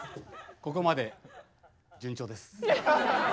ここまで順調です。